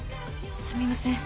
すみません。